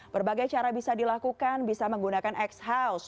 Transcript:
berbagai cara bisa dilakukan bisa menggunakan x house